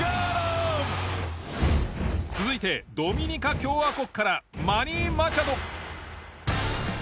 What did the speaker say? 続いてドミニカ共和国からマニー・マチャド。